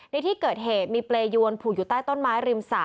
ในที่เกิดเหตุมีเปรยวนผูกอยู่ใต้ต้นไม้ริมสระ